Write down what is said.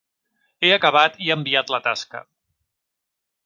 He acabat i enviat la tasca.